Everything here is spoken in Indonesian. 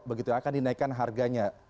begitu akan dinaikkan harganya